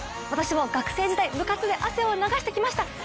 私も学生時代、部活で汗を流してきました。